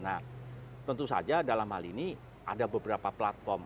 nah tentu saja dalam hal ini ada beberapa platform